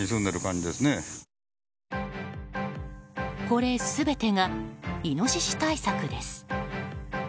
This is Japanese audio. これ全てがイノシシ対策です。